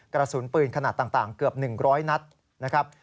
กระสุนปืนขนาดต่างเกือบ๑๐๐นัดนะครับ